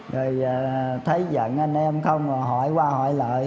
rồi thấy giận anh em không rồi hỏi qua hỏi lại